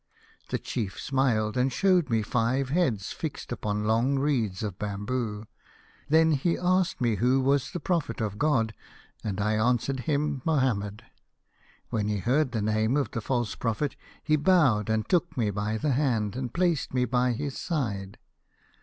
The chief smiled, and showed me five heads fixed upon long reeds of bamboo. " Then he asked me who was the prophet of God, and I answered him Mohammed. " When he heard the name of the false pro phet, he bowed and took me by the hand, and placed me by his side.